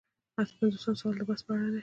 اته پنځوسم سوال د بست په اړه دی.